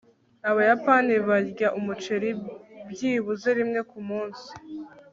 abayapani barya umuceri byibuze rimwe kumunsi